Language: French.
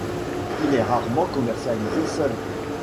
Il est rarement commercialisé seul.